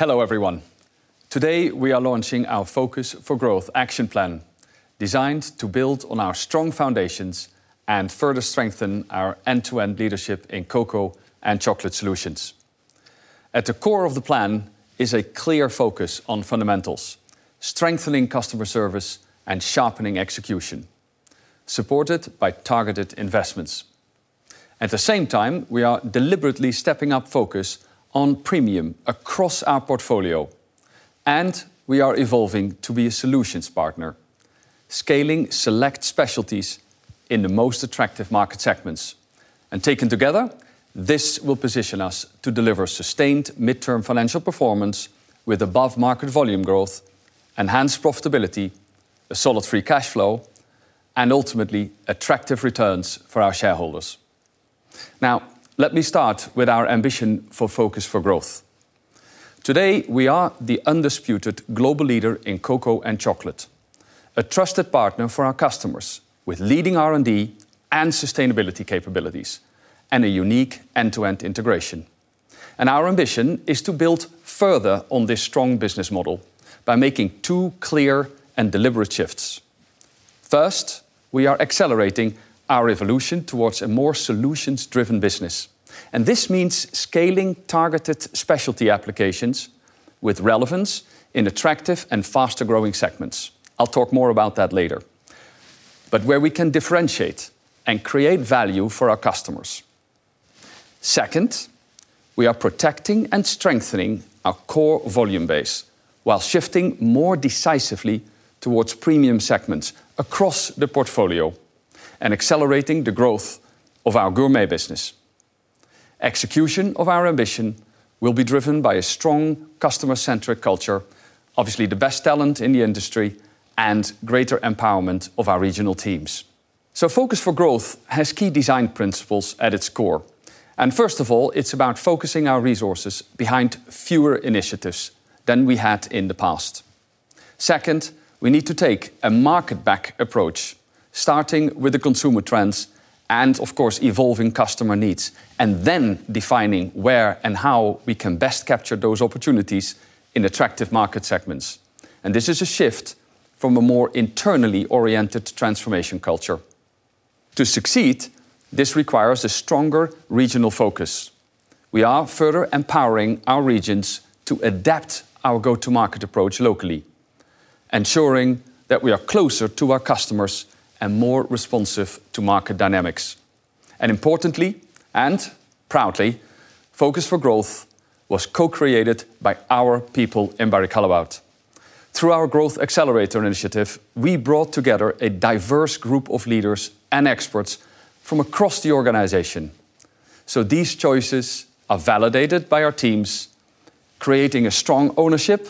Hello everyone. Today, we are launching our Focus for Growth action plan, designed to build on our strong foundations and further strengthen our end-to-end leadership in cocoa and chocolate solutions. At the core of the plan is a clear focus on fundamentals, strengthening customer service and sharpening execution, supported by targeted investments. At the same time, we are deliberately stepping up focus on premium across our portfolio, and we are evolving to be a solutions partner, scaling select specialties in the most attractive market segments. Taken together, this will position us to deliver sustained midterm financial performance with above-market volume growth, enhanced profitability, a solid free cash flow, and ultimately attractive returns for our shareholders. Now, let me start with our ambition for Focus for Growth. Today, we are the undisputed global leader in cocoa and chocolate, a trusted partner for our customers with leading R&D and sustainability capabilities, and a unique end-to-end integration. Our ambition is to build further on this strong business model by making two clear and deliberate shifts. First, we are accelerating our evolution towards a more solutions-driven business, and this means scaling targeted specialty applications with relevance in attractive and faster-growing segments where we can differentiate and create value for our customers. I'll talk more about that later. Second, we are protecting and strengthening our core volume base while shifting more decisively towards premium segments across the portfolio and accelerating the growth of our gourmet business. Execution of our ambition will be driven by a strong customer-centric culture, obviously the best talent in the industry, and greater empowerment of our regional teams. Focus for Growth has key design principles at its core. First of all, it's about focusing our resources behind fewer initiatives than we had in the past. Second, we need to take a market-back approach, starting with the consumer trends and, of course, evolving customer needs, and then defining where and how we can best capture those opportunities in attractive market segments. This is a shift from a more internally-oriented transformation culture. To succeed, this requires a stronger regional focus. We are further empowering our regions to adapt our go-to-market approach locally, ensuring that we are closer to our customers and more responsive to market dynamics. Importantly, and proudly, Focus for Growth was co-created by our people in Barry Callebaut. Through our Growth Accelerator initiative, we brought together a diverse group of leaders and experts from across the organization. These choices are validated by our teams, creating a strong ownership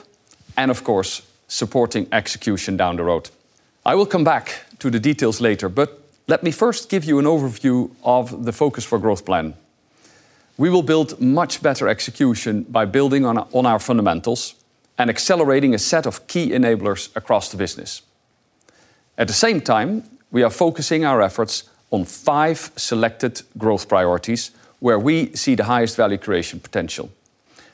and, of course, supporting execution down the road. I will come back to the details later, but let me first give you an overview of the Focus for Growth plan. We will build much better execution by building on our fundamentals and accelerating a set of key enablers across the business. At the same time, we are focusing our efforts on five selected growth priorities where we see the highest value creation potential.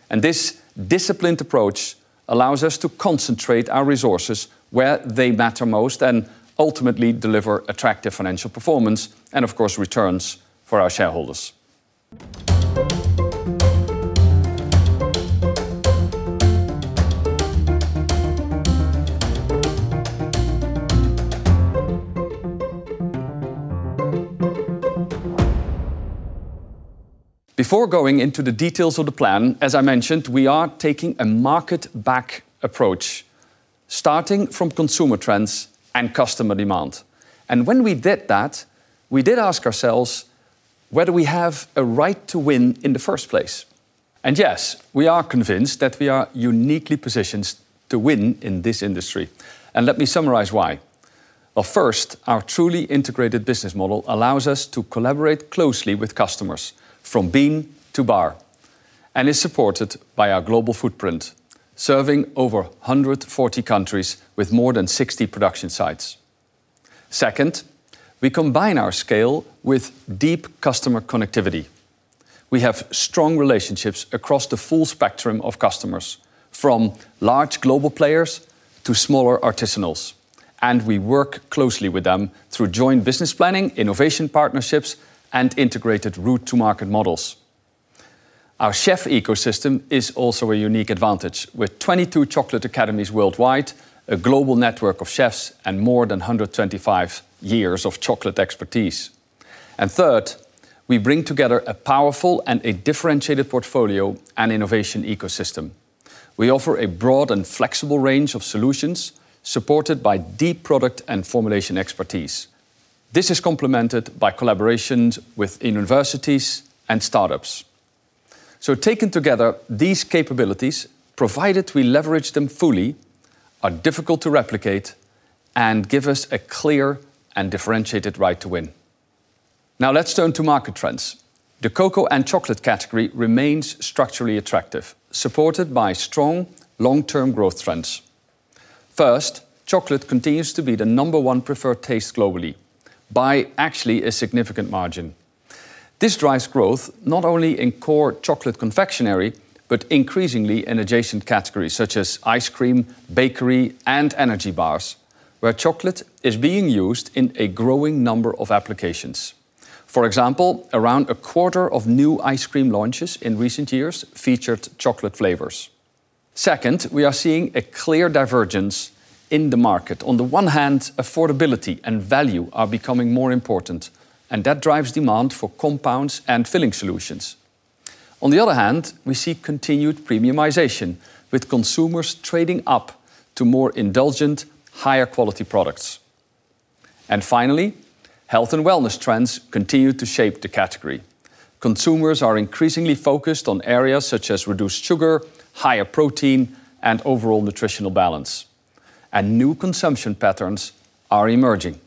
This disciplined approach allows us to concentrate our resources where they matter most and ultimately deliver attractive financial performance and, of course, returns for our shareholders. Before going into the details of the plan, as I mentioned, we are taking a market-back approach, starting from consumer trends and customer demand. When we did that, we did ask ourselves whether we have a right to win in the first place. Yes, we are convinced that we are uniquely positioned to win in this industry. Let me summarize why. Well, first, our truly integrated business model allows us to collaborate closely with customers from bean to bar and is supported by our global footprint, serving over 140 countries with more than 60 production sites. Second, we combine our scale with deep customer connectivity. We have strong relationships across the full spectrum of customers, from large global players to smaller artisanals, and we work closely with them through joint business planning, innovation partnerships, and integrated route-to-market models. Our chef ecosystem is also a unique advantage, with 22 Chocolate Academy worldwide, a global network of chefs, and more than 125 years of chocolate expertise. Third, we bring together a powerful and a differentiated portfolio and innovation ecosystem. We offer a broad and flexible range of solutions supported by deep product and formulation expertise. This is complemented by collaborations with universities and startups. Taken together, these capabilities, provided we leverage them fully, are difficult to replicate and give us a clear and differentiated right to win. Now let's turn to market trends. The cocoa and chocolate category remains structurally attractive, supported by strong long-term growth trends. First, chocolate continues to be the number one preferred taste globally by actually a significant margin. This drives growth not only in core chocolate confectionery, but increasingly in adjacent categories such as ice cream, bakery, and energy bars, where chocolate is being used in a growing number of applications. For example, around a quarter of new ice cream launches in recent years featured chocolate flavors. Second, we are seeing a clear divergence in the market. On the one hand, affordability and value are becoming more important, and that drives demand for compounds and filling solutions. On the other hand, we see continued premiumization, with consumers trading up to more indulgent, higher quality products. Finally, health and wellness trends continue to shape the category. Consumers are increasingly focused on areas such as reduced sugar, higher protein, and overall nutritional balance. New consumption patterns are emerging.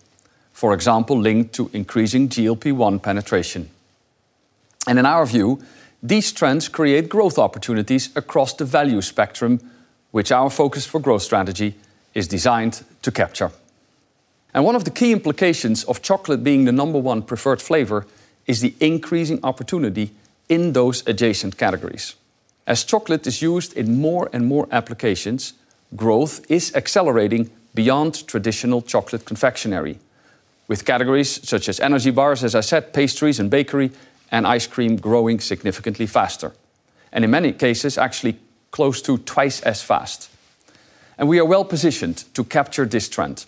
For example, linked to increasing GLP-1 penetration. In our view, these trends create growth opportunities across the value spectrum, which our Focus for Growth strategy is designed to capture. One of the key implications of chocolate being the number one preferred flavor is the increasing opportunity in those adjacent categories. As chocolate is used in more and more applications, growth is accelerating beyond traditional chocolate confectionery with categories such as energy bars, as I said, pastries and bakery, and ice cream growing significantly faster. In many cases, actually close to twice as fast. We are well-positioned to capture this trend.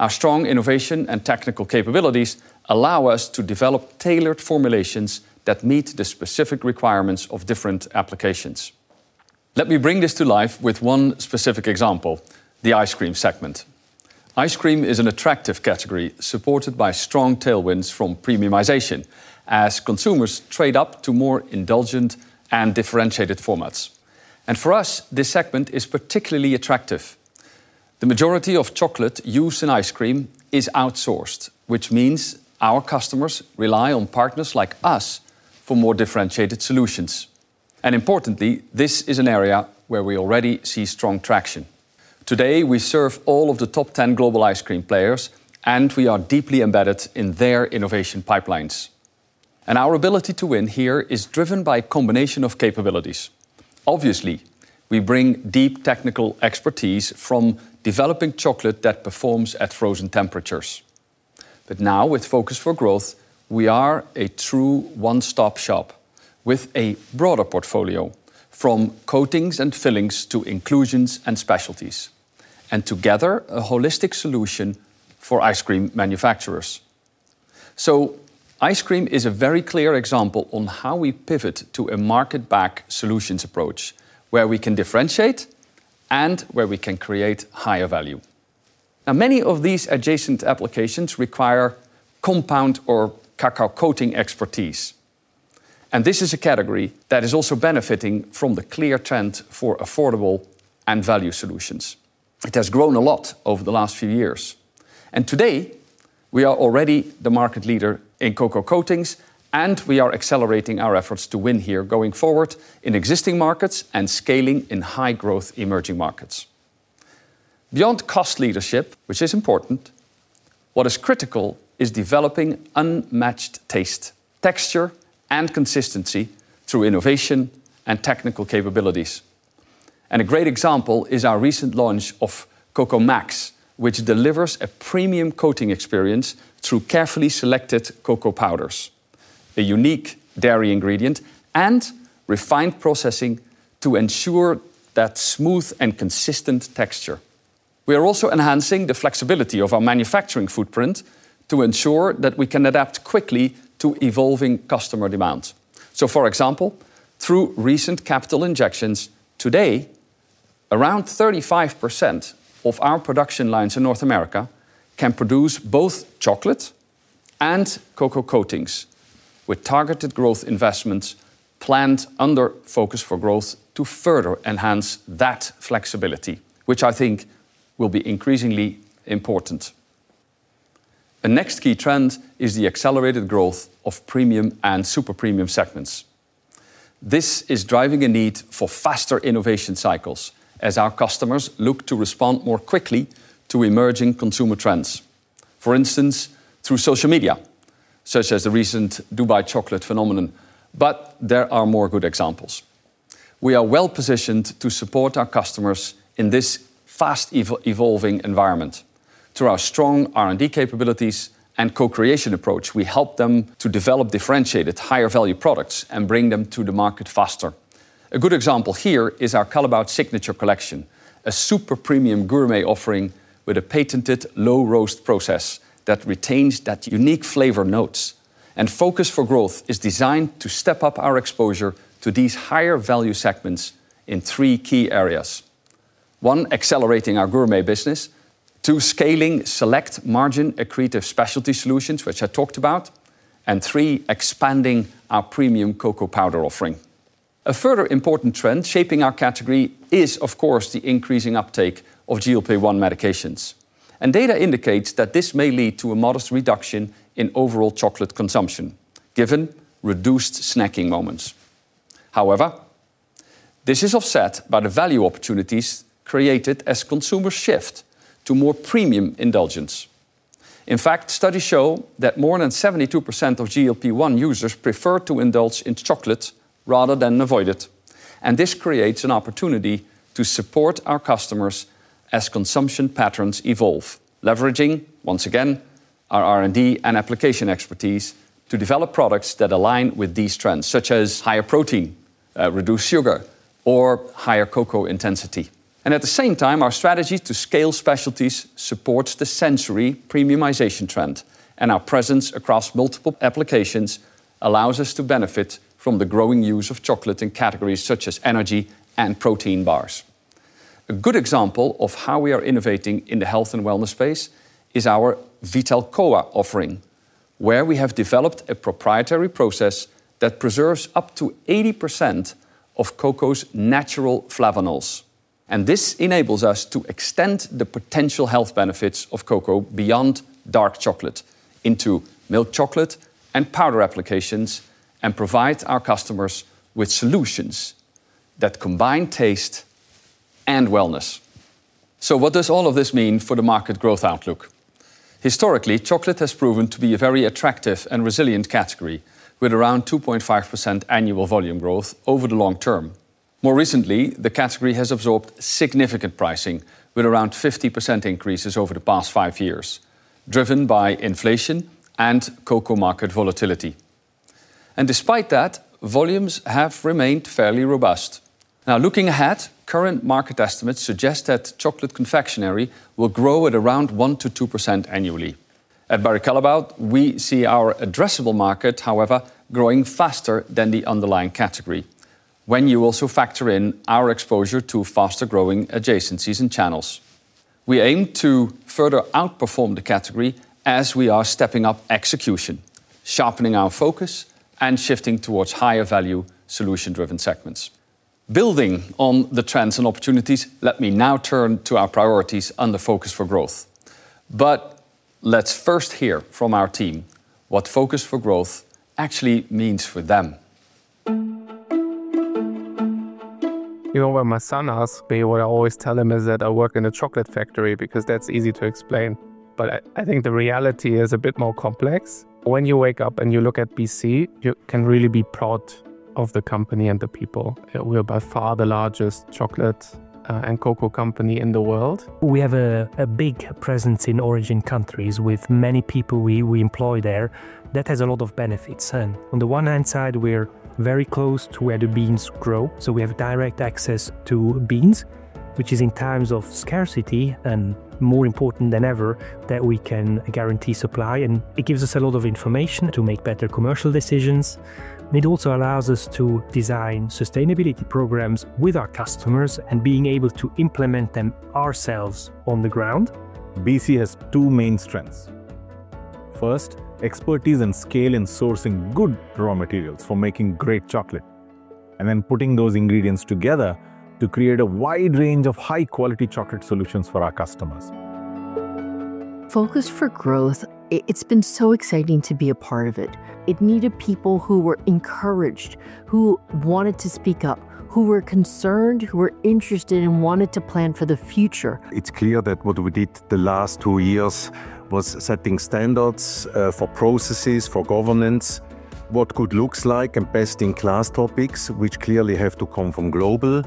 Our strong innovation and technical capabilities allow us to develop tailored formulations that meet the specific requirements of different applications. Let me bring this to life with one specific example, the ice cream segment. Ice cream is an attractive category, supported by strong tailwinds from premiumization as consumers trade up to more indulgent and differentiated formats. For us, this segment is particularly attractive. The majority of chocolate used in ice cream is outsourced, which means our customers rely on partners like us for more differentiated solutions. Importantly, this is an area where we already see strong traction. Today, we serve all of the top 10 global ice cream players, and we are deeply embedded in their innovation pipelines. Our ability to win here is driven by a combination of capabilities. Obviously, we bring deep technical expertise from developing chocolate that performs at frozen temperatures. Now with Focus for Growth, we are a true one-stop shop with a broader portfolio, from coatings and fillings to inclusions and specialties, and together, a holistic solution for ice cream manufacturers. Ice cream is a very clear example on how we pivot to a market-backed solutions approach, where we can differentiate and where we can create higher value. Now, many of these adjacent applications require compound or cocoa coating expertise. This is a category that is also benefiting from the clear trend for affordable and value solutions. It has grown a lot over the last few years. Today we are already the market leader in cocoa coatings. We are accelerating our efforts to win here going forward in existing markets and scaling in high-growth emerging markets. Beyond cost leadership, which is important, what is critical is developing unmatched taste, texture, and consistency through innovation and technical capabilities. A great example is our recent launch of Cacao Max, which delivers a premium coating experience through carefully selected cocoa powders, a unique dairy ingredient, and refined processing to ensure that smooth and consistent texture. We are also enhancing the flexibility of our manufacturing footprint to ensure that we can adapt quickly to evolving customer demands. For example, through recent capital injections, today, around 35% of our production lines in North America can produce both chocolate and cocoa coatings with targeted growth investments planned under Focus for Growth to further enhance that flexibility, which I think will be increasingly important. The next key trend is the accelerated growth of premium and super premium segments. This is driving a need for faster innovation cycles as our customers look to respond more quickly to emerging consumer trends. For instance, through social media, such as the recent Dubai chocolate phenomenon, but there are more good examples. We are well-positioned to support our customers in this fast evolving environment. Through our strong R&D capabilities and co-creation approach, we help them to develop differentiated higher value products and bring them to the market faster. A good example here is our Callebaut Signature Collection, a super premium gourmet offering with a patented low roast process that retains that unique flavor notes. Focus for Growth is designed to step up our exposure to these higher value segments in three key areas. One, accelerating our gourmet business. Two, scaling select margin-accretive specialty solutions, which I talked about. Three, expanding our premium cocoa powder offering. A further important trend shaping our category is, of course, the increasing uptake of GLP-1 medications. Data indicates that this may lead to a modest reduction in overall chocolate consumption, given reduced snacking moments. However, this is offset by the value opportunities created as consumers shift to more premium indulgence. In fact, studies show that more than 72% of GLP-1 users prefer to indulge in chocolate rather than avoid it. This creates an opportunity to support our customers as consumption patterns evolve, leveraging, once again, our R&D and application expertise to develop products that align with these trends, such as higher protein, reduced sugar, or higher cocoa intensity. At the same time, our strategy to scale specialties supports the sensory premiumization trend, and our presence across multiple applications allows us to benefit from the growing use of chocolate in categories such as energy and protein bars. A good example of how we are innovating in the health and wellness space is our Vitalcoa offering, where we have developed a proprietary process that preserves up to 80% of cocoa's natural flavanols. This enables us to extend the potential health benefits of cocoa beyond dark chocolate into milk chocolate and powder applications, and provide our customers with solutions that combine taste and wellness. What does all of this mean for the market growth outlook? Historically, chocolate has proven to be a very attractive and resilient category, with around 2.5% annual volume growth over the long term. More recently, the category has absorbed significant pricing, with around 50% increases over the past five years, driven by inflation and cocoa market volatility. Despite that, volumes have remained fairly robust. Looking ahead, current market estimates suggest that chocolate confectionery will grow at around 1%-2% annually. At Barry Callebaut, we see our addressable market, however, growing faster than the underlying category when you also factor in our exposure to faster-growing adjacencies and channels. We aim to further outperform the category as we are stepping up execution, sharpening our focus, and shifting towards higher-value, solution-driven segments. Building on the trends and opportunities, let me now turn to our priorities on the Focus for Growth. Let's first hear from our team what Focus for Growth actually means for them. When my son asks me, what I always tell him is that I work in a chocolate factory, because that's easy to explain. But I think the reality is a bit more complex. When you wake up and you look at BC, you can really be proud of the company and the people. We are by far the largest chocolate and cocoa company in the world. We have a big presence in origin countries, with many people we employ there. That has a lot of benefits. On the one hand side, we're very close to where the beans grow, so we have direct access to beans, which is in times of scarcity and more important than ever that we can guarantee supply, and it gives us a lot of information to make better commercial decisions. It also allows us to design sustainability programs with our customers and being able to implement them ourselves on the ground. BC has two main strengths. First, expertise and scale in sourcing good raw materials for making great chocolate, and then putting those ingredients together to create a wide range of high-quality chocolate solutions for our customers. Focus for Growth, it's been so exciting to be a part of it. It needed people who were encouraged, who wanted to speak up, who were concerned, who were interested and wanted to plan for the future. It's clear that what we did the last two years was setting standards for processes, for governance, what good looks like, and best-in-class topics, which clearly have to come from global.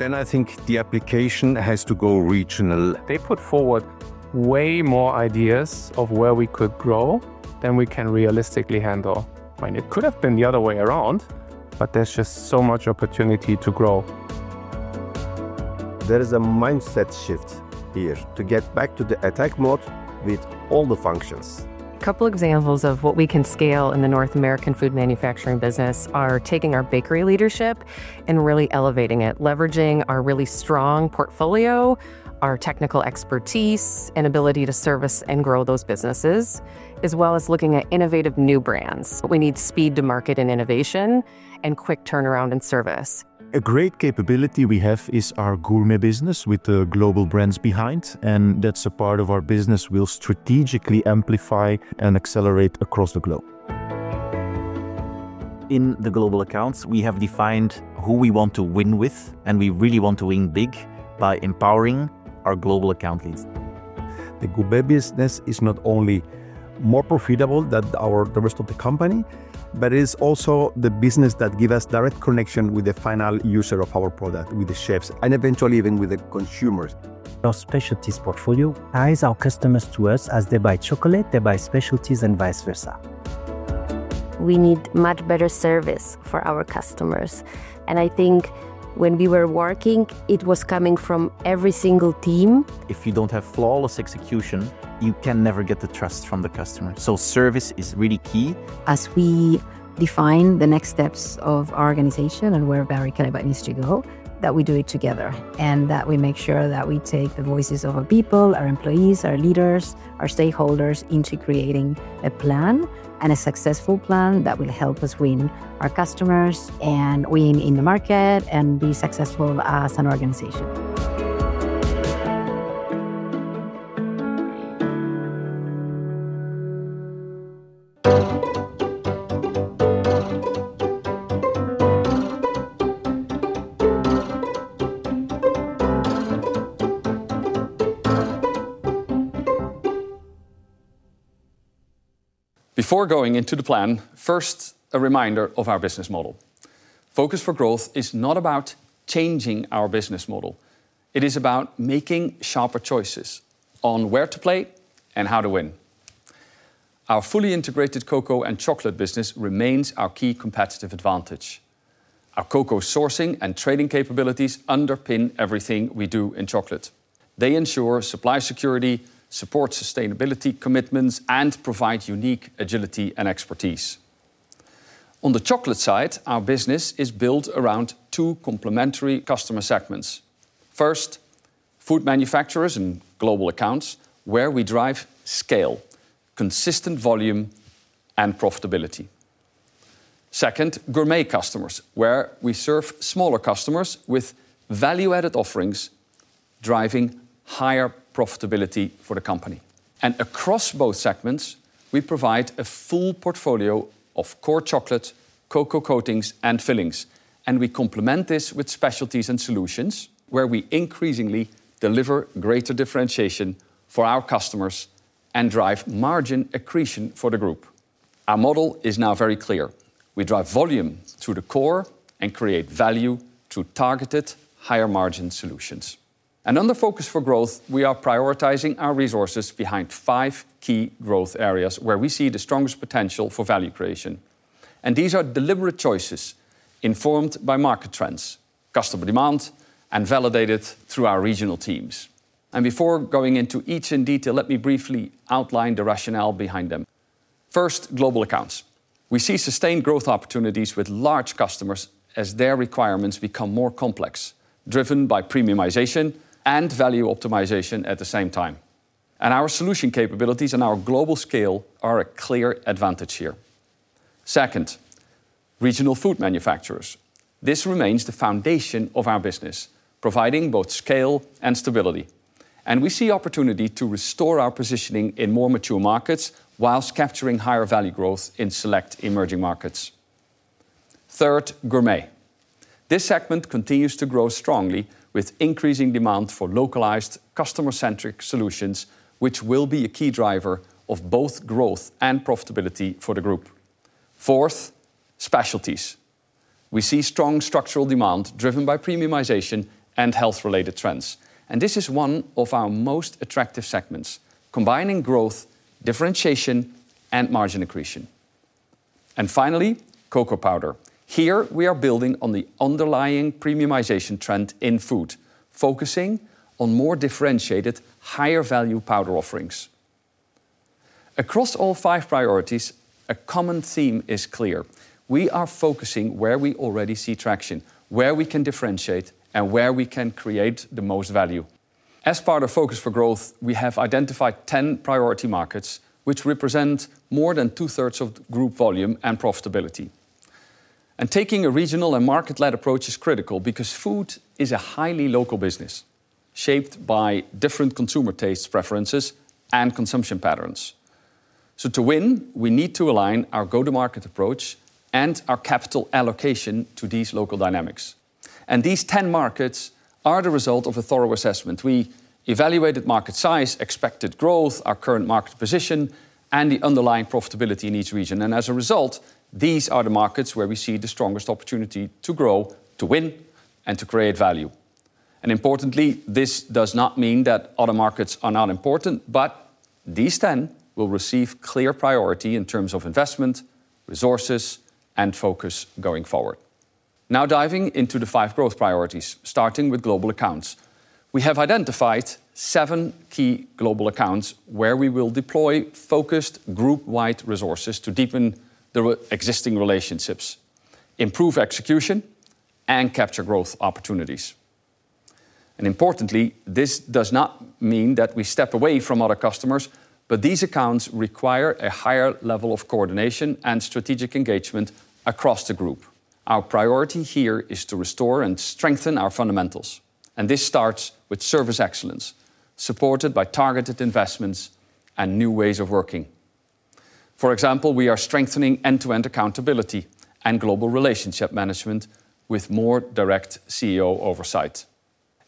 I think the application has to go regional. They put forward way more ideas of where we could grow than we can realistically handle. I mean, it could've been the other way around. There's just so much opportunity to grow. There is a mindset shift here to get back to the attack mode with all the functions. A couple examples of what we can scale in the North American food manufacturing business are taking our bakery leadership and really elevating it, leveraging our really strong portfolio, our technical expertise, and ability to service and grow those businesses, as well as looking at innovative new brands. We need speed to market and innovation and quick turnaround in service. A great capability we have is our gourmet business with the global brands behind, and that's a part of our business we'll strategically amplify and accelerate across the globe. In the global accounts, we have defined who we want to win with, and we really want to win big by empowering our global account leads. The gourmet business is not only more profitable than the rest of the company. It is also the business that give us direct connection with the final user of our product, with the chefs, and eventually even with the consumers. Our specialties portfolio ties our customers to us. As they buy chocolate, they buy specialties and vice versa. We need much better service for our customers. I think when we were working, it was coming from every single team. If you don't have flawless execution, you can never get the trust from the customer. Service is really key. As we define the next steps of our organization and where Barry Callebaut needs to go, that we do it together, and that we make sure that we take the voices of our people, our employees, our leaders, our stakeholders into creating a plan and a successful plan that will help us win our customers and win in the market and be successful as an organization. Before going into the plan, first, a reminder of our business model. Focus for Growth is not about changing our business model. It is about making sharper choices on where to play and how to win. Our fully integrated cocoa and chocolate business remains our key competitive advantage. Our cocoa sourcing and trading capabilities underpin everything we do in chocolate. They ensure supply security, support sustainability commitments, and provide unique agility and expertise. On the chocolate side, our business is built around two complementary customer segments. First, food manufacturers and global accounts, where we drive scale, consistent volume, and profitability. Second, gourmet customers, where we serve smaller customers with value-added offerings, driving higher profitability for the company. Across both segments, we provide a full portfolio of core chocolate, cocoa coatings, and fillings. We complement this with specialties and solutions, where we increasingly deliver greater differentiation for our customers and drive margin accretion for the group. Our model is now very clear. We drive volume through the core and create value through targeted higher-margin solutions. Under Focus for Growth, we are prioritizing our resources behind five key growth areas where we see the strongest potential for value creation. These are deliberate choices informed by market trends, customer demand, and validated through our regional teams. Before going into each in detail, let me briefly outline the rationale behind them. First, global accounts. We see sustained growth opportunities with large customers as their requirements become more complex, driven by premiumization and value optimization at the same time. Our solution capabilities and our global scale are a clear advantage here. Second, regional food manufacturers. This remains the foundation of our business, providing both scale and stability, and we see opportunity to restore our positioning in more mature markets whilst capturing higher value growth in select emerging markets. Third, gourmet. This segment continues to grow strongly with increasing demand for localized customer-centric solutions, which will be a key driver of both growth and profitability for the group. Fourth, specialties. We see strong structural demand driven by premiumization and health-related trends, and this is one of our most attractive segments, combining growth, differentiation, and margin accretion. Finally, cocoa powder. Here, we are building on the underlying premiumization trend in food, focusing on more differentiated, higher-value powder offerings. Across all five priorities, a common theme is clear. We are focusing where we already see traction, where we can differentiate, and where we can create the most value. As part of Focus for Growth, we have identified 10 priority markets, which represent more than two-thirds of group volume and profitability. Taking a regional and market-led approach is critical because food is a highly local business, shaped by different consumer tastes, preferences, and consumption patterns. To win, we need to align our go-to-market approach and our capital allocation to these local dynamics. These 10 markets are the result of a thorough assessment. We evaluated market size, expected growth, our current market position, and the underlying profitability in each region. As a result, these are the markets where we see the strongest opportunity to grow, to win, and to create value. Importantly, this does not mean that other markets are not important, but these 10 will receive clear priority in terms of investment, resources, and focus going forward. Now diving into the five growth priorities, starting with global accounts. We have identified seven key global accounts where we will deploy focused group-wide resources to deepen the existing relationships, improve execution, and capture growth opportunities. Importantly, this does not mean that we step away from other customers, but these accounts require a higher level of coordination and strategic engagement across the group. Our priority here is to restore and strengthen our fundamentals, this starts with service excellence, supported by targeted investments and new ways of working. For example, we are strengthening end-to-end accountability and global relationship management with more direct CEO oversight.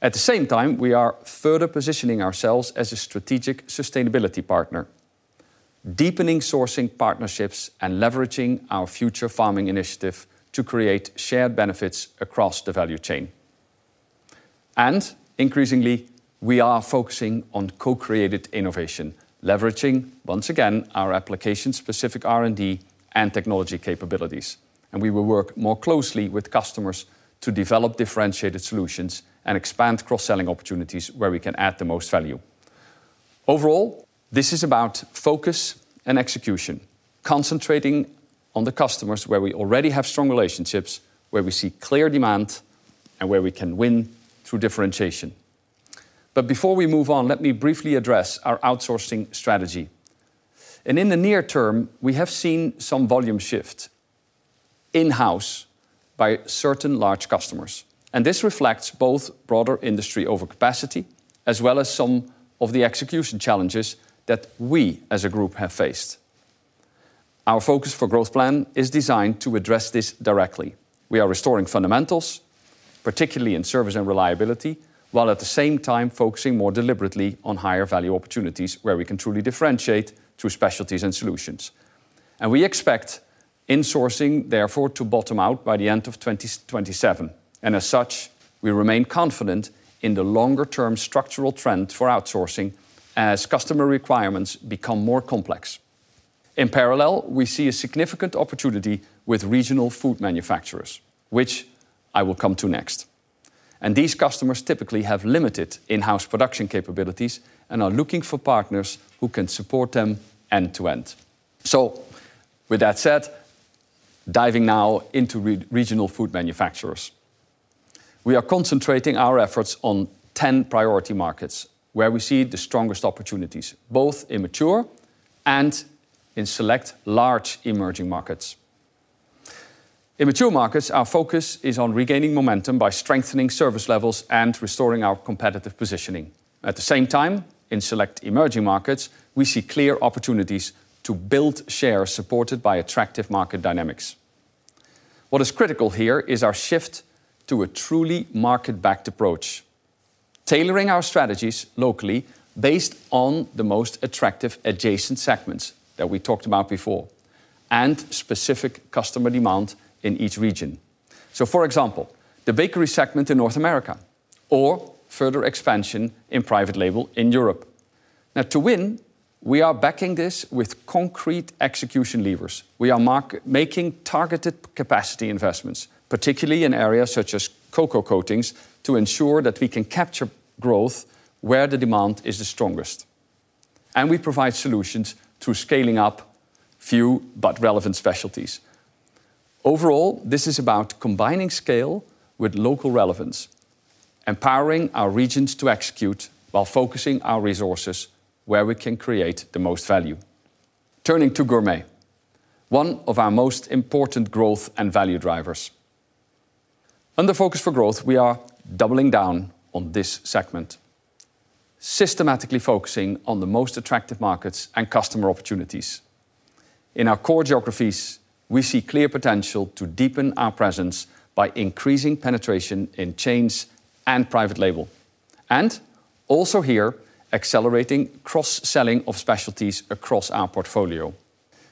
At the same time, we are further positioning ourselves as a strategic sustainability partner, deepening sourcing partnerships, and leveraging our Future Farming Initiative to create shared benefits across the value chain. Increasingly, we are focusing on co-created innovation, leveraging, once again, our application-specific R&D and technology capabilities. We will work more closely with customers to develop differentiated solutions and expand cross-selling opportunities where we can add the most value. Overall, this is about focus and execution, concentrating on the customers where we already have strong relationships, where we see clear demand, and where we can win through differentiation. Before we move on, let me briefly address our outsourcing strategy. In the near term, we have seen some volume shift in-house by certain large customers. This reflects both broader industry overcapacity as well as some of the execution challenges that we, as a group, have faced. Our Focus for Growth plan is designed to address this directly. We are restoring fundamentals, particularly in service and reliability, while at the same time focusing more deliberately on higher value opportunities where we can truly differentiate through specialties and solutions. We expect insourcing, therefore, to bottom out by the end of 2027, and as such, we remain confident in the longer-term structural trend for outsourcing as customer requirements become more complex. In parallel, we see a significant opportunity with regional food manufacturers, which I will come to next. These customers typically have limited in-house production capabilities and are looking for partners who can support them end to end. With that said, diving now into regional food manufacturers. We are concentrating our efforts on 10 priority markets where we see the strongest opportunities, both in mature and in select large emerging markets. In mature markets, our focus is on regaining momentum by strengthening service levels and restoring our competitive positioning. At the same time, in select emerging markets, we see clear opportunities to build share supported by attractive market dynamics. What is critical here is our shift to a truly market-backed approach, tailoring our strategies locally based on the most attractive adjacent segments that we talked about before and specific customer demand in each region. For example, the bakery segment in North America or further expansion in private label in Europe. To win, we are backing this with concrete execution levers. We are making targeted capacity investments, particularly in areas such as cocoa coatings, to ensure that we can capture growth where the demand is the strongest. We provide solutions through scaling up few but relevant specialties. Overall, this is about combining scale with local relevance, empowering our regions to execute while focusing our resources where we can create the most value. Turning to gourmet, one of our most important growth and value drivers. Under Focus for Growth, we are doubling down on this segment, systematically focusing on the most attractive markets and customer opportunities. In our core geographies, we see clear potential to deepen our presence by increasing penetration in chains and private label, and also here, accelerating cross-selling of specialties across our portfolio.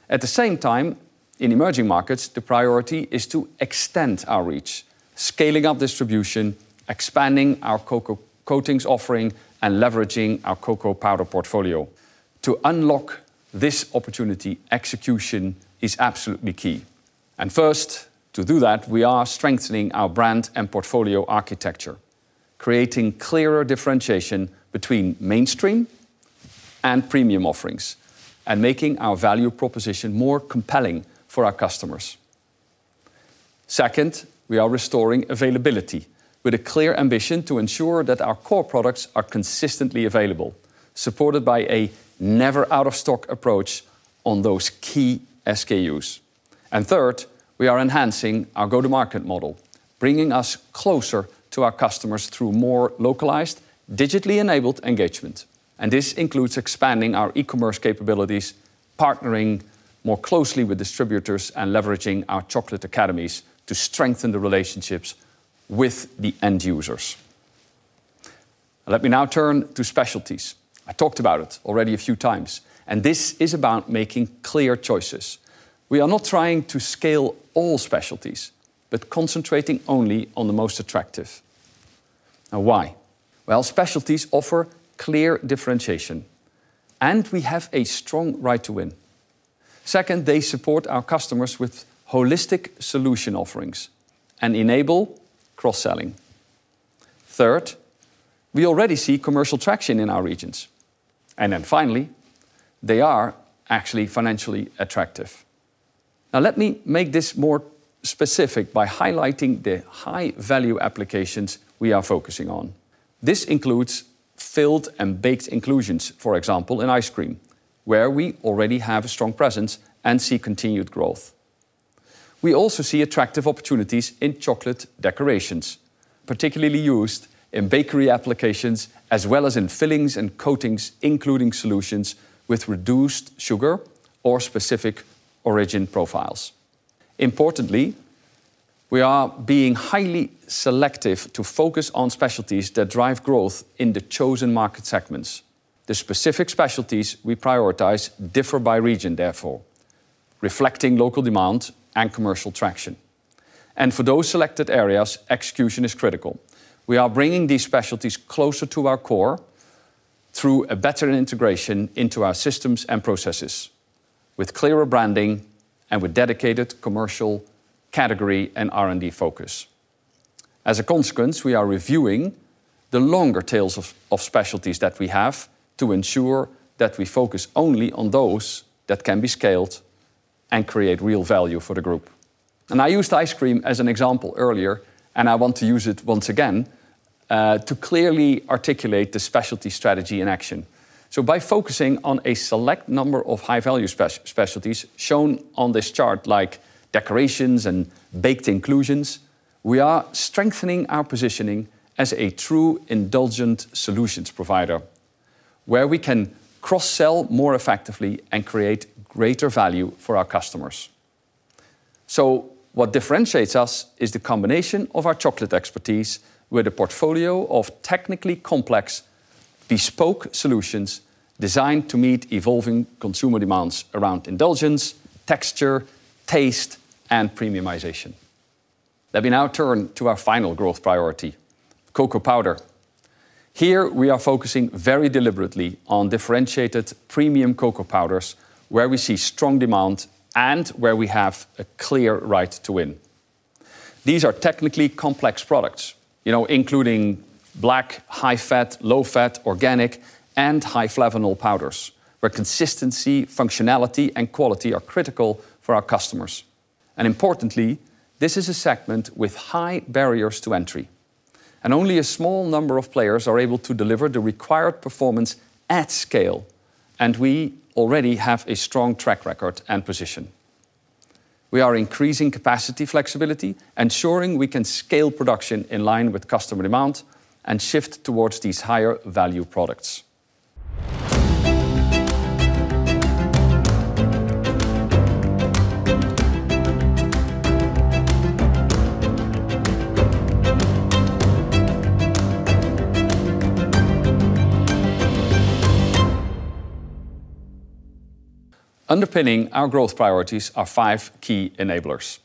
At the same time, in emerging markets, the priority is to extend our reach, scaling up distribution, expanding our cocoa coatings offering, and leveraging our cocoa powder portfolio. To unlock this opportunity, execution is absolutely key. First, to do that, we are strengthening our brand and portfolio architecture, creating clearer differentiation between mainstream and premium offerings and making our value proposition more compelling for our customers. Second, we are restoring availability with a clear ambition to ensure that our core products are consistently available, supported by a never out-of-stock approach on those key SKUs. Third, we are enhancing our go-to-market model, bringing us closer to our customers through more localized, digitally enabled engagement. This includes expanding our e-commerce capabilities, partnering more closely with distributors, and leveraging our Chocolate Academies to strengthen the relationships with the end users. Let me now turn to specialties. I talked about it already a few times, and this is about making clear choices. We are not trying to scale all specialties, but concentrating only on the most attractive. Why? Well, specialties offer clear differentiation, and we have a strong right to win. Second, they support our customers with holistic solution offerings and enable cross-selling. Third, we already see commercial traction in our regions. Finally, they are actually financially attractive. Let me make this more specific by highlighting the high-value applications we are focusing on. This includes filled and baked inclusions, for example, in ice cream, where we already have a strong presence and see continued growth. We also see attractive opportunities in chocolate decorations, particularly used in bakery applications as well as in fillings and coatings, including solutions with reduced sugar or specific origin profiles. Importantly, we are being highly selective to focus on specialties that drive growth in the chosen market segments. The specific specialties we prioritize differ by region therefore, reflecting local demand and commercial traction. For those selected areas, execution is critical. We are bringing these specialties closer to our core through a better integration into our systems and processes with clearer branding and with dedicated commercial category and R&D focus. As a consequence, we are reviewing the longer tails of specialties that we have to ensure that we focus only on those that can be scaled and create real value for the group. I used ice cream as an example earlier, and I want to use it once again to clearly articulate the specialty strategy in action. By focusing on a select number of high-value specialties shown on this chart, like decorations and baked inclusions, we are strengthening our positioning as a true indulgent solutions provider, where we can cross-sell more effectively and create greater value for our customers. What differentiates us is the combination of our chocolate expertise with a portfolio of technically complex bespoke solutions designed to meet evolving consumer demands around indulgence, texture, taste, and premiumization. Let me now turn to our final growth priority, cocoa powder. Here, we are focusing very deliberately on differentiated premium cocoa powders, where we see strong demand and where we have a clear right to win. These are technically complex products, including black, high-fat, low-fat, organic, and high flavanol powders, where consistency, functionality, and quality are critical for our customers. Importantly, this is a segment with high barriers to entry, and only a small number of players are able to deliver the required performance at scale. We already have a strong track record and position. We are increasing capacity flexibility, ensuring we can scale production in line with customer demand and shift towards these higher-value products. Underpinning our growth priorities are five key enablers,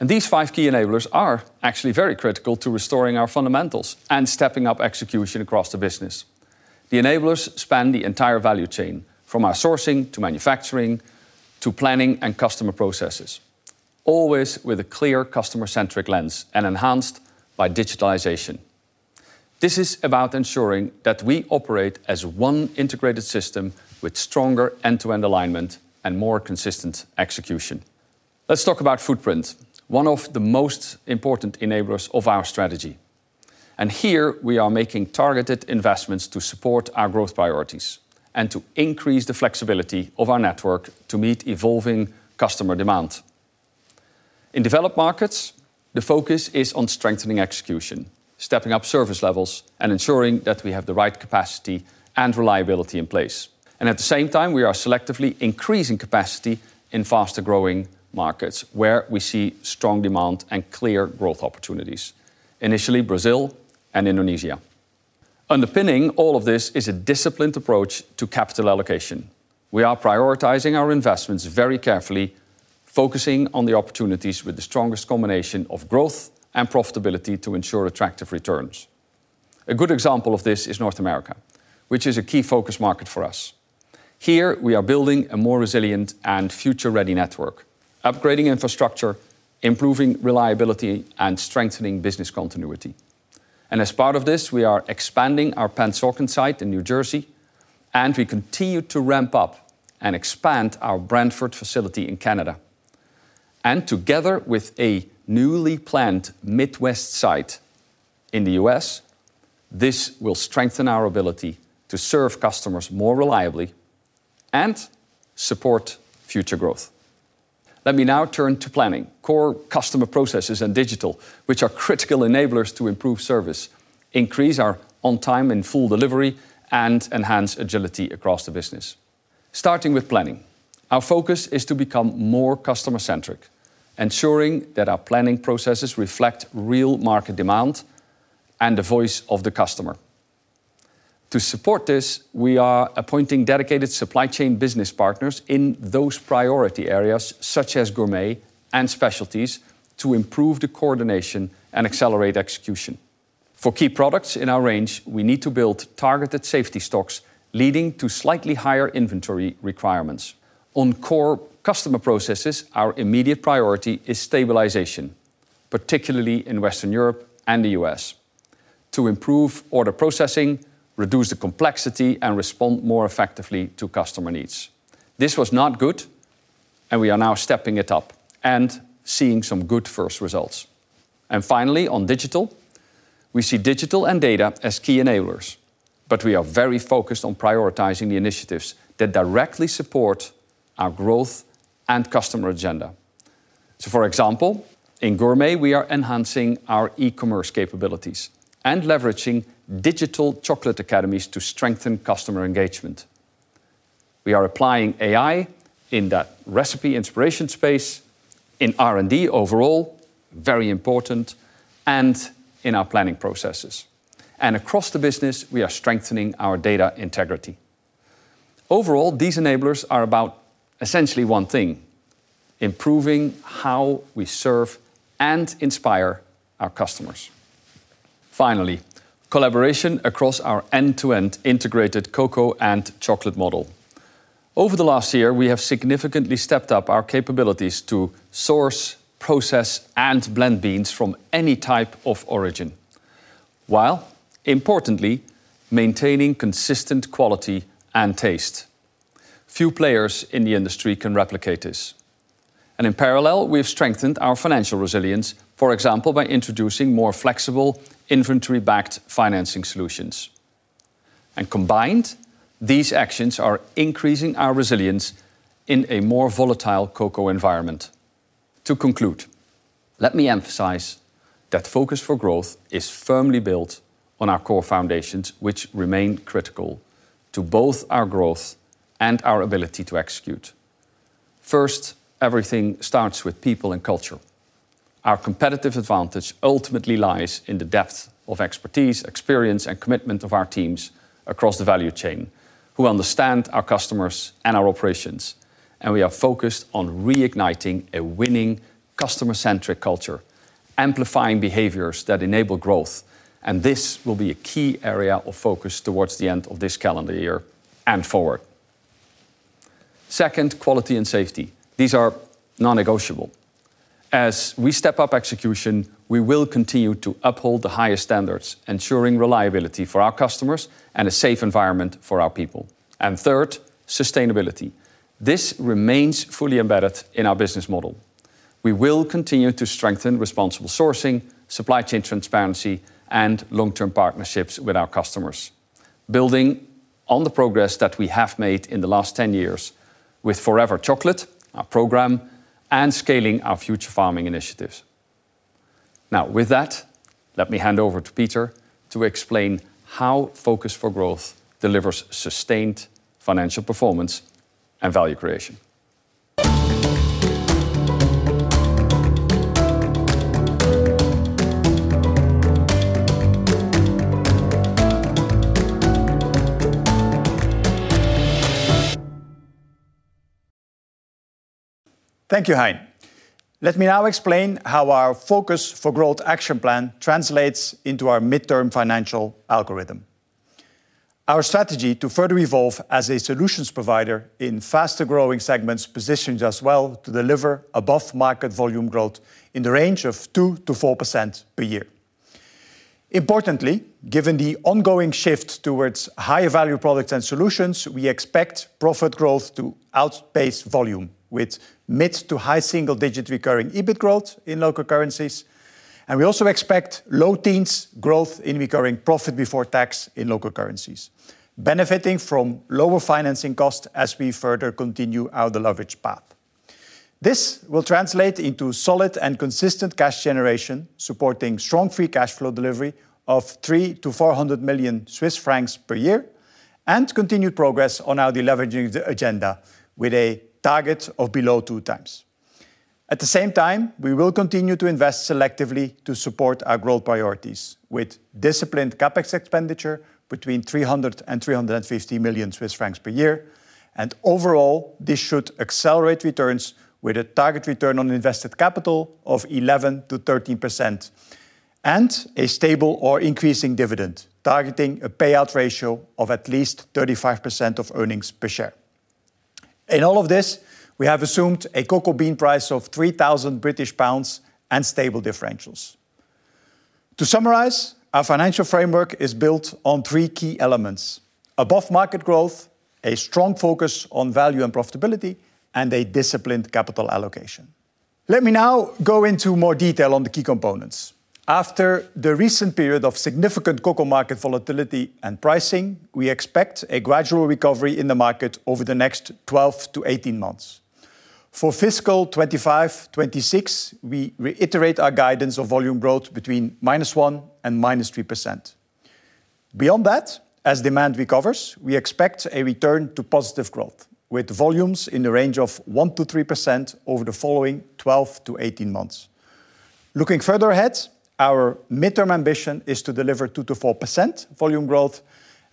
and these five key enablers are actually very critical to restoring our fundamentals and stepping up execution across the business. The enablers span the entire value chain, from our sourcing to manufacturing, to planning and customer processes, always with a clear customer-centric lens and enhanced by digitalization. This is about ensuring that we operate as one integrated system with stronger end-to-end alignment and more consistent execution. Let's talk about footprint, one of the most important enablers of our strategy. Here we are making targeted investments to support our growth priorities and to increase the flexibility of our network to meet evolving customer demand. In developed markets, the focus is on strengthening execution, stepping up service levels, and ensuring that we have the right capacity and reliability in place. At the same time, we are selectively increasing capacity in faster-growing markets where we see strong demand and clear growth opportunities, initially Brazil and Indonesia. Underpinning all of this is a disciplined approach to capital allocation. We are prioritizing our investments very carefully, focusing on the opportunities with the strongest combination of growth and profitability to ensure attractive returns. A good example of this is North America, which is a key focus market for us. Here, we are building a more resilient and future-ready network, upgrading infrastructure, improving reliability, and strengthening business continuity. As part of this, we are expanding our Pennsauken site in New Jersey, and we continue to ramp up and expand our Brantford facility in Canada. Together with a newly planned Midwest site in the U.S., this will strengthen our ability to serve customers more reliably and support future growth. Let me now turn to planning, core customer processes, and digital, which are critical enablers to improve service, increase our on-time and full delivery, and enhance agility across the business. Starting with planning, our focus is to become more customer-centric, ensuring that our planning processes reflect real market demand and the voice of the customer. To support this, we are appointing dedicated supply chain business partners in those priority areas, such as gourmet and specialties, to improve the coordination and accelerate execution. For key products in our range, we need to build targeted safety stocks, leading to slightly higher inventory requirements. On core customer processes, our immediate priority is stabilization, particularly in Western Europe and the U.S., to improve order processing, reduce the complexity, and respond more effectively to customer needs. This was not good, and we are now stepping it up and seeing some good first results. Finally, on digital, we see digital and data as key enablers, but we are very focused on prioritizing the initiatives that directly support our growth and customer agenda. For example, in gourmet, we are enhancing our e-commerce capabilities and leveraging digital Chocolate Academies to strengthen customer engagement. We are applying AI in that recipe inspiration space, in R&D overall, very important, and in our planning processes. Across the business, we are strengthening our data integrity. Overall, these enablers are about essentially one thing, improving how we serve and inspire our customers. Finally, collaboration across our end-to-end integrated cocoa and chocolate model. Over the last year, we have significantly stepped up our capabilities to source, process, and blend beans from any type of origin while, importantly, maintaining consistent quality and taste. Few players in the industry can replicate this. In parallel, we have strengthened our financial resilience, for example, by introducing more flexible inventory-backed financing solutions. Combined, these actions are increasing our resilience in a more volatile cocoa environment. To conclude, let me emphasize that Focus for Growth is firmly built on our core foundations, which remain critical to both our growth and our ability to execute. First, everything starts with people and culture. Our competitive advantage ultimately lies in the depth of expertise, experience, and commitment of our teams across the value chain who understand our customers and our operations, and we are focused on reigniting a winning customer-centric culture, amplifying behaviors that enable growth, and this will be a key area of focus towards the end of this calendar year and forward. Second, quality and safety. These are non-negotiable. As we step up execution, we will continue to uphold the highest standards, ensuring reliability for our customers and a safe environment for our people. Third, sustainability. This remains fully embedded in our business model. We will continue to strengthen responsible sourcing, supply chain transparency, and long-term partnerships with our customers, building on the progress that we have made in the last 10 years with Forever Chocolate, our program, and scaling our Future Farming Initiatives. Now, with that, let me hand over to Peter to explain how Focus for Growth delivers sustained financial performance and value creation. Thank you, Hein. Let me now explain how our Focus for Growth action plan translates into our midterm financial algorithm. Our strategy to further evolve as a solutions provider in faster-growing segments positions us well to deliver above-market volume growth in the range of 2%-4% per year. Importantly, given the ongoing shift towards higher-value products and solutions, we expect profit growth to outpace volume, with mid-to-high single-digit recurring EBIT growth in local currencies. We also expect low teens growth in recurring profit before tax in local currencies, benefiting from lower financing costs as we further continue our deleverage path. This will translate into solid and consistent cash generation, supporting strong free cash flow delivery of 300 million-400 million Swiss francs per year, and continued progress on our deleveraging agenda with a target of below 2x. At the same time, we will continue to invest selectively to support our growth priorities with disciplined CapEx expenditure between 300 million Swiss francs and 350 million Swiss francs per year. Overall, this should accelerate returns with a target return on invested capital of 11%-13% and a stable or increasing dividend, targeting a payout ratio of at least 35% of earnings per share. In all of this, we have assumed a cocoa bean price of 3,000 British pounds and stable differentials. Our financial framework is built on three key elements: above-market growth, a strong focus on value and profitability, and a disciplined capital allocation. Let me now go into more detail on the key components. After the recent period of significant cocoa market volatility and pricing, we expect a gradual recovery in the market over the next 12 to 18 months. For fiscal 2025/2026, we reiterate our guidance of volume growth between -1% and -3%. Beyond that, as demand recovers, we expect a return to positive growth, with volumes in the range of 1%-3% over the following 12 to 18 months. Looking further ahead, our midterm ambition is to deliver 2%-4% volume growth.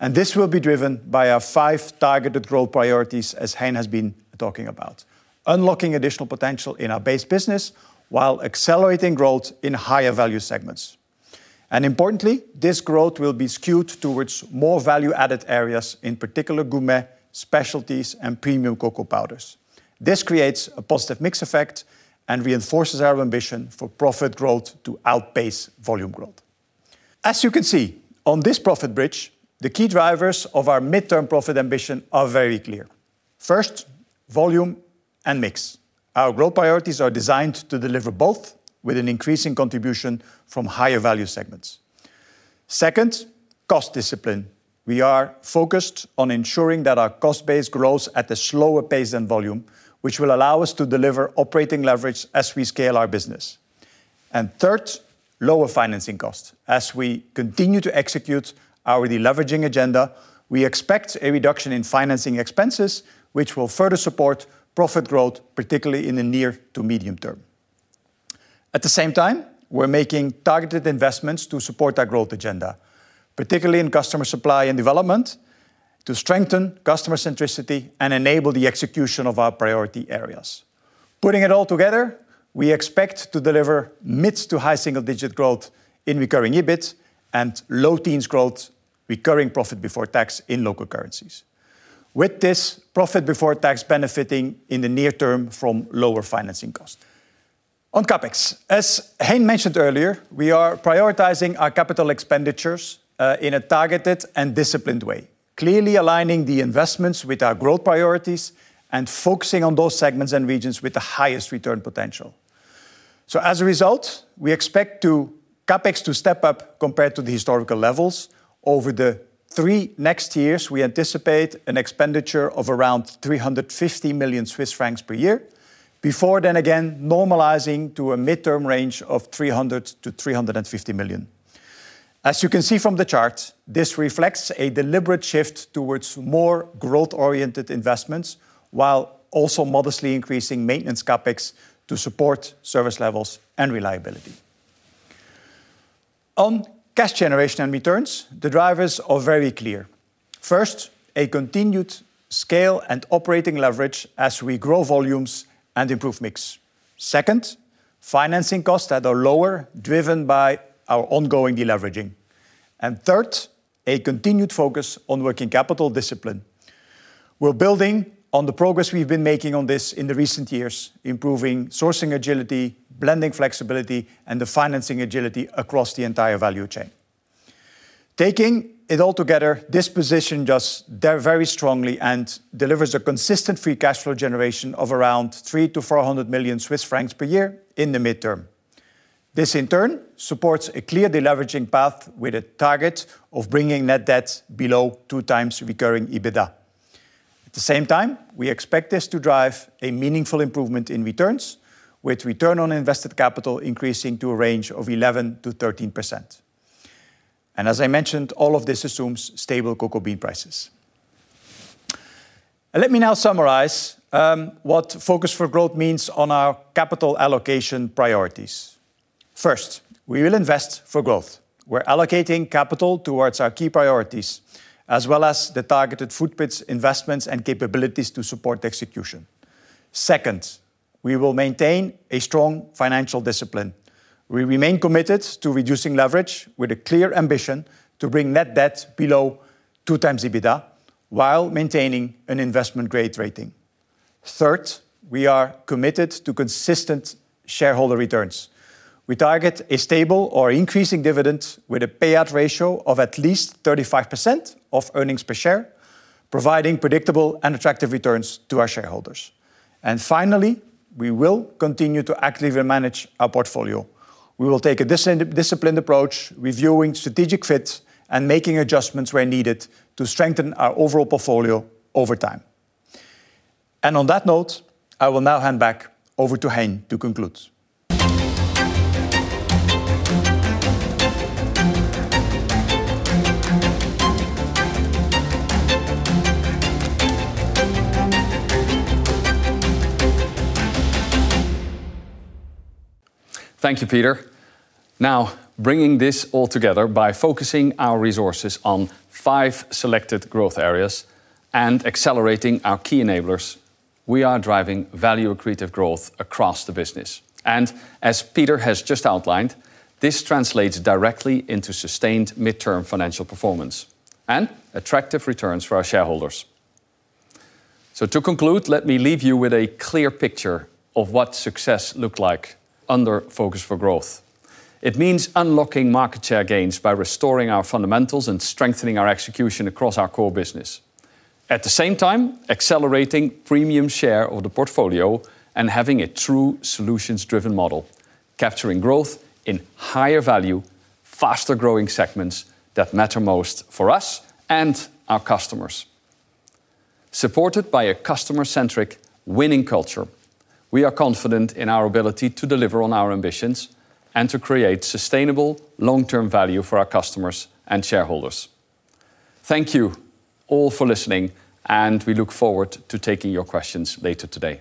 This will be driven by our five targeted growth priorities, as Hein has been talking about. Unlocking additional potential in our base business while accelerating growth in higher-value segments. Importantly, this growth will be skewed towards more value-added areas, in particular gourmet specialties and premium cocoa powders. This creates a positive mix effect and reinforces our ambition for profit growth to outpace volume growth. As you can see on this profit bridge, the key drivers of our midterm profit ambition are very clear. First, volume and mix. Our growth priorities are designed to deliver both with an increasing contribution from higher-value segments. Second, cost discipline. We are focused on ensuring that our cost base grows at a slower pace than volume, which will allow us to deliver operating leverage as we scale our business. Third, lower financing costs. As we continue to execute our deleveraging agenda, we expect a reduction in financing expenses, which will further support profit growth, particularly in the near to medium term. At the same time, we're making targeted investments to support our growth agenda, particularly in customer supply and development, to strengthen customer centricity and enable the execution of our priority areas. Putting it all together, we expect to deliver mid to high single-digit growth in recurring EBIT and low teens growth recurring profit before tax in local currencies. With this profit before tax benefiting in the near term from lower financing costs. On CapEx. As Hein mentioned earlier, we are prioritizing our capital expenditures in a targeted and disciplined way, clearly aligning the investments with our growth priorities and focusing on those segments and regions with the highest return potential. As a result, we expect CapEx to step up compared to the historical levels. Over the three next years, we anticipate an expenditure of around 350 million Swiss francs per year, before then again normalizing to a midterm range of 300 million-350 million. As you can see from the chart, this reflects a deliberate shift towards more growth-oriented investments, while also modestly increasing maintenance CapEx to support service levels and reliability. On cash generation and returns, the drivers are very clear. First, a continued scale and operating leverage as we grow volumes and improve mix. Second, financing costs that are lower, driven by our ongoing deleveraging. Third, a continued focus on working capital discipline. We're building on the progress we've been making on this in the recent years, improving sourcing agility, blending flexibility, and the financing agility across the entire value chain. Taking it all together, this position does very strongly and delivers a consistent free cash flow generation of around 300 million-400 million Swiss francs per year in the midterm. This in turn supports a clear deleveraging path with a target of bringing net debt below 2x recurring EBITDA. At the same time, we expect this to drive a meaningful improvement in returns, with return on invested capital increasing to a range of 11%-13%. As I mentioned, all of this assumes stable cocoa bean prices. Let me now summarize what Focus for Growth means on our capital allocation priorities. We will invest for growth. We're allocating capital towards our key priorities, as well as the targeted footprints, investments, and capabilities to support execution. We will maintain a strong financial discipline. We remain committed to reducing leverage with a clear ambition to bring net debt below 2x EBITDA while maintaining an investment-grade rating. We are committed to consistent shareholder returns. We target a stable or increasing dividend with a payout ratio of at least 35% of earnings per share, providing predictable and attractive returns to our shareholders. Finally, we will continue to actively manage our portfolio. We will take a disciplined approach, reviewing strategic fit and making adjustments where needed to strengthen our overall portfolio over time. On that note, I will now hand back over to Hein to conclude. Thank you, Peter. Bringing this all together by focusing our resources on five selected growth areas and accelerating our key enablers, we are driving value-accretive growth across the business. As Peter has just outlined, this translates directly into sustained midterm financial performance and attractive returns for our shareholders. To conclude, let me leave you with a clear picture of what success looked like under Focus for Growth. It means unlocking market share gains by restoring our fundamentals and strengthening our execution across our core business. At the same time, accelerating premium share of the portfolio and having a true solutions-driven model, capturing growth in higher value, faster-growing segments that matter most for us and our customers. Supported by a customer-centric winning culture, we are confident in our ability to deliver on our ambitions and to create sustainable long-term value for our customers and shareholders. Thank you all for listening, and we look forward to taking your questions later today.